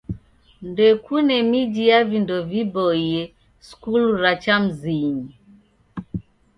Ndekune miji ya vindo viboie skulu ra cha mzinyi.